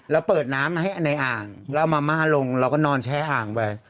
แล้วเปิดน้ำให้ในอ่างแล้วเอามาม่าลงเราก็นอนแช่อ่างไป